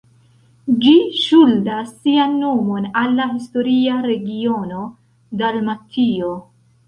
Ĝi ŝuldas sian nomon al la historia regiono Dalmatio.